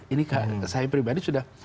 ini saya pribadi sudah